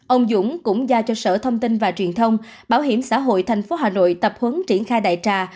ông dũng cũng giao cho sở thông tin và truyền thông bảo hiểm xã hội tp hà nội tập huấn triển khai đại trà